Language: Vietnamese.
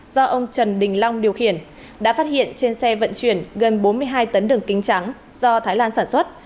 do ông trần đình long điều khiển đã phát hiện trên xe vận chuyển gần bốn mươi hai tấn đường kính trắng do thái lan sản xuất